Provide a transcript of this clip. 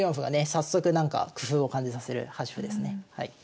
早速なんか工夫を感じさせる端歩ですね。